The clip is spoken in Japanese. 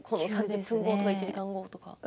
３０分後とか１時間後とか。